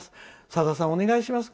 さださん、お願いします